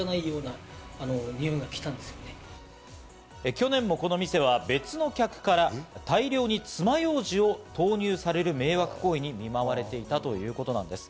去年もこの店は別の客から大量につまようじを投入される迷惑行為に見舞われていたということなんです。